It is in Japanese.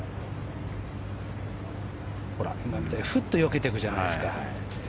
今みたいにふっとよけていくじゃないですか。